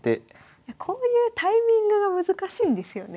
こういうタイミングが難しいんですよね。